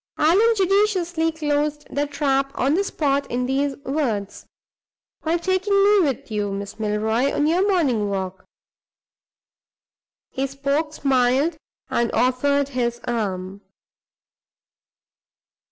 Allan judiciously closed the trap on the spot in these words: "By taking me with you, Miss Milroy, on your morning walk." He spoke, smiled, and offered his arm.